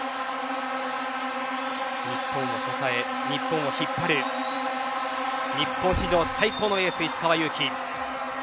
日本を支え、日本を引っ張る日本史上最高のエース石川祐希。